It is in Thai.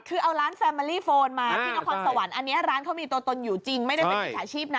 คือเอาร้านแฟมอรี่โฟนมาที่นครสวรรค์อันนี้ร้านเขามีตัวตนอยู่จริงไม่ได้เป็นมิจฉาชีพนะ